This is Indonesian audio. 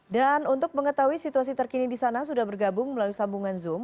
dan untuk mengetahui situasi terkini di sana sudah bergabung melalui sambungan zoom